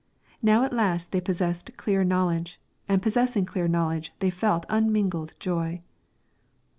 Now at last they possessed clear knowledge, and possessing clear knowledge felt unmingled joy.